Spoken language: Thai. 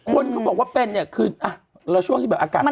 คนเขาบอกว่าเป็นเนี่ยคืออ่ะแล้วช่วงที่แบบอากาศ